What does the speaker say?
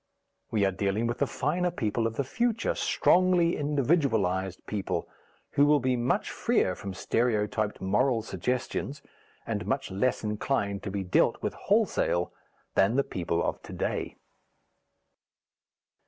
We are dealing with the finer people of the future, strongly individualized people, who will be much freer from stereotyped moral suggestions and much less inclined to be dealt with wholesale than the people of to day.